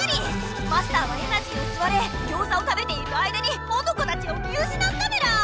マスターはエナジーをすわれギョーザを食べている間にモノコたちを見うしなったメラ！